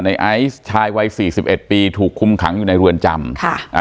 ไอซ์ชายวัยสี่สิบเอ็ดปีถูกคุมขังอยู่ในเรือนจำค่ะอ่า